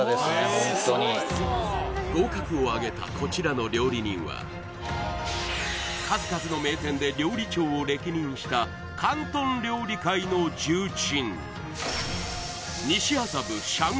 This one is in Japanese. ホントに合格をあげたこちらの料理人は数々のした広東料理界の重鎮